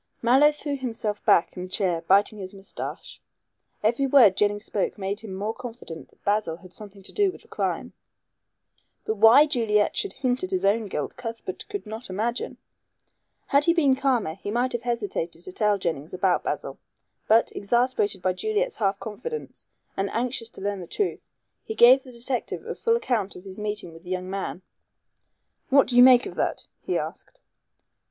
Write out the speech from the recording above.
Mallow threw himself back in his chair biting his moustache. Every word Jennings spoke made him more confident that Basil had something to do with the crime. But why Juliet should hint at his own guilt Cuthbert could not imagine. Had he been calmer he might have hesitated to tell Jennings about Basil. But, exasperated by Juliet's half confidence, and anxious to learn the truth, he gave the detective a full account of his meeting with the young man. "What do you make of that?" he asked.